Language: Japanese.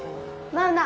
マウナ！